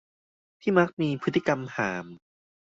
ที่มักมีพฤติกรรมห่าม